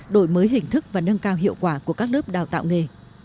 đổi mới hình thức và nâng cao hiệu quả của các lớp đào tạo nghề